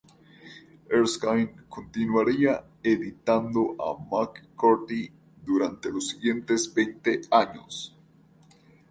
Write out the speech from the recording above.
Erskine continuaría editando a McCarthy durante los siguientes veinte años.